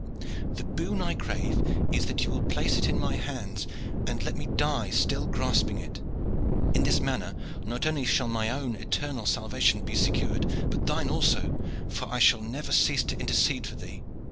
The boon I crave is that you will place it in my hands and let me die still grasping it. In this manner, not only shall my own eternal salvation be secured, but thine also, for I shall never cease to intercede for thee."